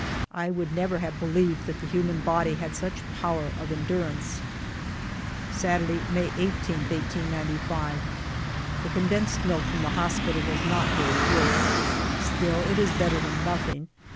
I would never have believed that the human body had such power of endurance. Saturday^ May 18, 1895. The condensed milk from the hospital was not very good. Still, it is better than nothing.